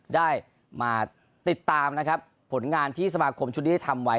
ได้มาติดตามนะครับผลงานที่สมาคมชุดนี้ได้ทำไว้